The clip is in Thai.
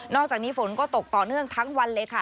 อกจากนี้ฝนก็ตกต่อเนื่องทั้งวันเลยค่ะ